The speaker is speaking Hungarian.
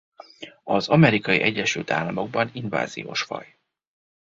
Az Amerikai Egyesült Államokban inváziós faj.